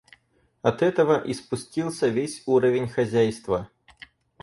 От этого и спустился весь уровень хозяйства.